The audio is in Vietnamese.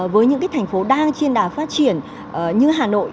với những cái thành phố đang chiên đà phát triển như hà nội